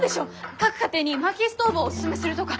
各家庭に薪ストーブをおすすめするとか！